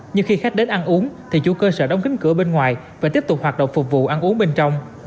nhưng khi khách đến ăn uống thì chủ cơ sở đóng kính cửa bên ngoài và tiếp tục hoạt động phục vụ ăn uống bên trong